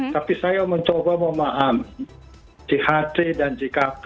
tapi saya mencoba memahami jht dan jkp